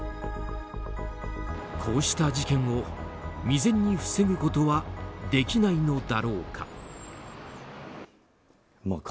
こうした事件を未然に防ぐことはできないのだろうか。